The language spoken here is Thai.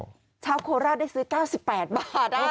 ไม่ซื้อร้อยแปดสิบอ๋อชาวโคราชได้ซื้อเก้าสิบแปดบาทอ่ะ